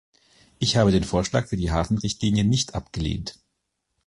Ich habe den Vorschlag für die Hafenrichtlinie nicht abgelehnt.